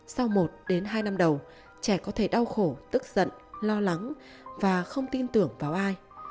sau một đến hai năm đầu trẻ có thể đau khổ tức giận lo lắng và không tin tưởng vào ai